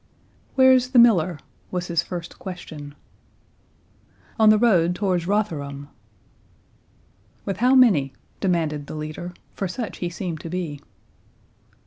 "Where is the Miller?" was his first question. "On the road towards Rotherham." "With how many?" demanded the leader, for such he seemed to be.